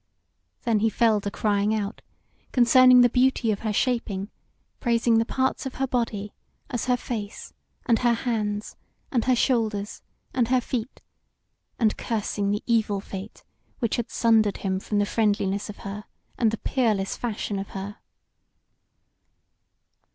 Then he fell to crying out concerning the beauty of her shaping, praising the parts of her body, as her face, and her hands, and her shoulders, and her feet, and cursing the evil fate which had sundered him from the friendliness of her, and the peerless fashion of her.